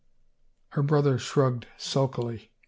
" Her brother shrugged sulkily.